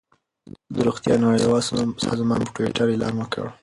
د روغتیا نړیوال سازمان په ټویټر اعلان وکړ.